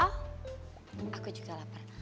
aku juga lapar